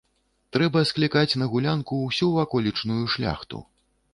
Трэба склікаць на гулянку ўсю ваколічную шляхту.